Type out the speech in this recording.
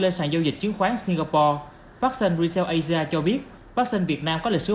lên sàn giao dịch chứng khoán singapore paxson retail asia cho biết paxson việt nam có lịch sử